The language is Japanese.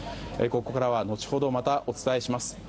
ここからは、後ほどまたお伝えします。